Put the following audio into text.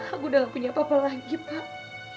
aku udah gak punya papa lagi pak